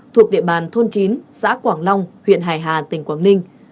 thuộc địa bàn thôn chín xã quảng long huyện hải hà tỉnh quảng ninh